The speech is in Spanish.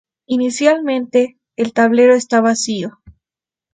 Inicialmente el tablero está vacío.